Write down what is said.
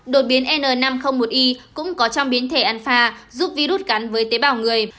đột biến n năm trăm linh một i cũng có trong biến thể anfa giúp virus gắn với tế bào người